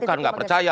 bukan gak percaya